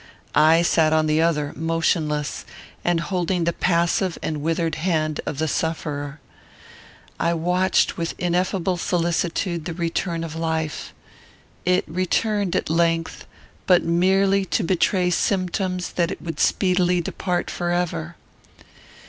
I sat on the other motionless, and holding the passive and withered hand of the sufferer. I watched with ineffable solicitude the return of life. It returned at length, but merely to betray symptoms that it would speedily depart forever.